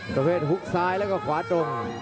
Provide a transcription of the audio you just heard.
ต่อเพศฮุกซายแล้วก็ขวาตรง